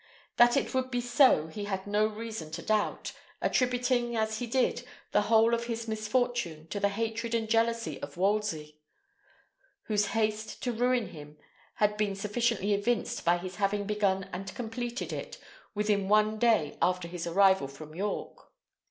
That it would be so he had no reason to doubt, attributing, as he did, the whole of his misfortune to the hatred and jealousy of Wolsey; whose haste to ruin him had been sufficiently evinced by his having begun and completed it within one day after his arrival from York.